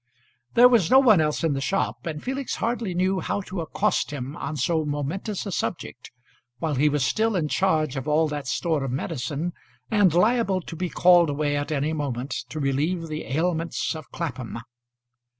There was no one else in the shop, and Felix hardly knew how to accost him on so momentous a subject, while he was still in charge of all that store of medicine, and liable to be called away at any moment to relieve the ailments of Clapham.